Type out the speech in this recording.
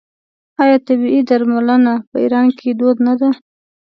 آیا طبیعي درملنه په ایران کې دود نه ده؟